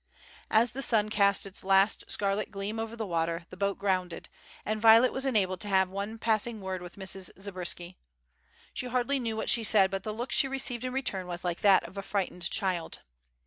As the sun cast its last scarlet gleam over the water, the boat grounded, and Violet was enabled to have one passing word with Mrs. Zabriskie. She hardly knew what she said but the look she received in return was like that of a frightened child.